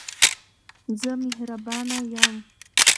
زه مهربانه یم.